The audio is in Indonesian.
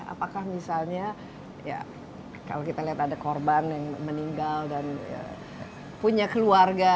apakah misalnya ya kalau kita lihat ada korban yang meninggal dan punya keluarga